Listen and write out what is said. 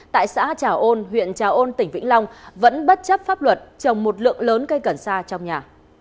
tại xã trà ôn huyện trà ôn tỉnh vĩnh long vẫn bất chấp pháp luật trồng một lượng lớn cây cần sa trong nhà